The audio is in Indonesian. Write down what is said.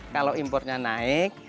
kalau impornya naik